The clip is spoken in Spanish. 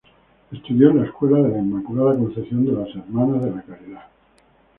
Estudió en la escuela de la Inmaculada Concepción de las Hermanas de la Caridad.